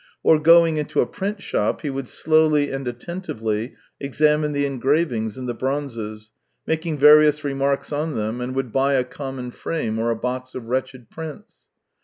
Or going into a print shop, he would slowly and atten tively examine the engravings and the bronzes, making various remarks on them, and would buy a common frame or a box of wretched prints.